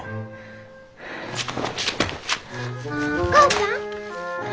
お母ちゃん！